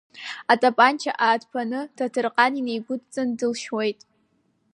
Атапанча ааҭԥааны, Ҭаҭырҟан инеигәыдҵаны дылшьуеит.